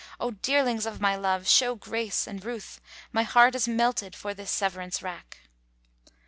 O dearlings of my love, show grace and ruth * My heart is melted for this severance rack."